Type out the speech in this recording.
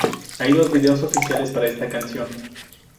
Hay dos videos oficiales para esta canción.